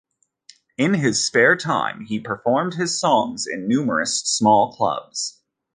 In his spare time he performed his songs in numerous small clubs.